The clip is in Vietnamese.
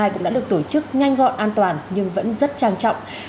cũng đã được tổ chức nhanh gọn an toàn nhưng vẫn rất trang trọng